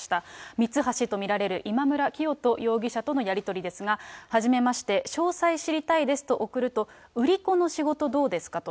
ミツハシと見られる今村磨人容疑者とのやり取りですが、はじめまして、詳細知りたいですと送ると、売り子の仕事どうですか？と。